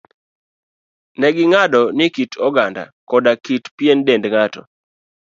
Ne ging'ado ni kit oganda koda kit pien dend ng'ato,